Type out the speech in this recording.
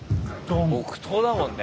木刀だもんね。